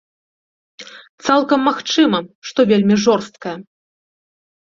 Цалкам магчыма, што вельмі жорсткая.